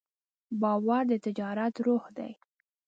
باور د تجارت روح دی.